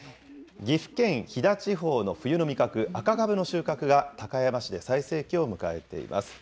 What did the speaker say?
岐阜県飛騨地方の冬の味覚、赤カブの収穫が高山市で最盛期を迎えています。